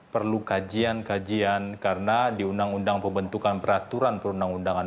perlu kajian kajian karena di undang undang pembentukan peraturan perundang undangan